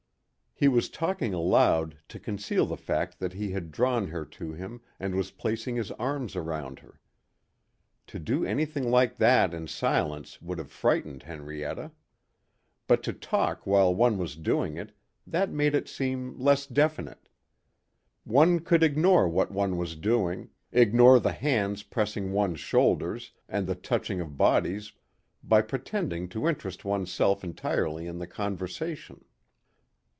He was talking aloud to conceal the fact that he had drawn her to him and was placing his arms around her. To do anything like that in silence would have frightened Henrietta. But to talk while one was doing it, that made it seem less definite. One could ignore what one was doing, ignore the hands pressing one's shoulders and the touching of bodies by pretending to interest one's self entirely in the conversation.